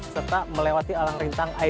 serta melewati alang rintang air gate